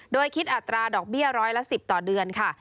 โดยคิดอัตราดอกเบี้ยร้อยละ๑๐ต่อเดือนค่ะ